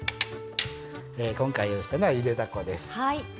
今回用意したのはゆでだこです。